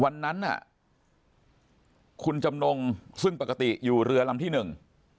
วันนั้นน่ะคุณจำนงซึ่งปกติอยู่เรือลำที่หนึ่ง